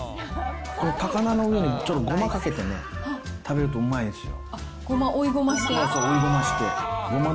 高菜の上にちょっとゴマかけてね、食べるとうまいんですよ。